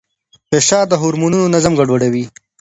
فشار د هورمونونو نظم ګډوډوي.